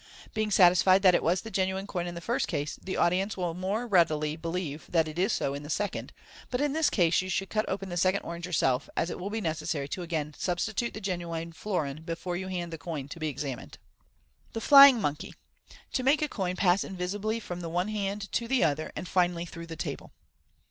Being satisfied that it was the genuine coin in the first case, the audience will the more readily believe that it is so in the second $ but in this case you should cut open the second orange yourself, as it will be necessary to again substitute the genuine florin before you hand the coin to be exa mined. The Flying Money. — To make a Coin pass invisibly from THE ONE HAND TO THE OTHER, AND FINALLY THROUGH THE T.ABLE.